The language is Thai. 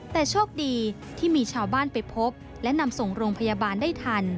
แต่โชคดีที่มีชาวบ้านไปพบและนำส่งโรงพยาบาลได้ทัน